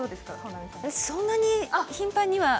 そんな頻繁には。